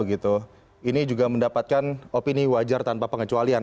ini juga mendapatkan opini wajar tanpa pengecualian